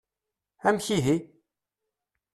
Amek ihi?